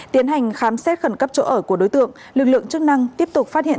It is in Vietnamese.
tiến hành khám xét khẩn cấp chỗ ở của đối tượng lực lượng chức năng tiếp tục phát hiện